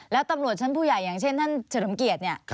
แล้วตำรวจชั้นผู้ใหญ่อย่างเช่นท่านเฉลิมเกียรติเนี่ย